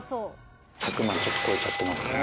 １００万ちょっと超えちゃってますかね。